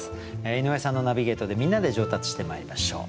井上さんのナビゲートでみんなで上達してまいりましょう。